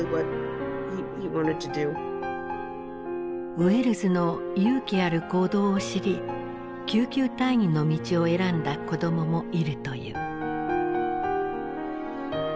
ウェルズの勇気ある行動を知り救急隊員の道を選んだ子どももいるという。